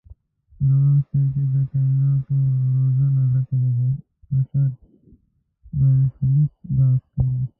څلورم څپرکی د کایناتو رازونه لکه د بشر برخلیک بحث کوي.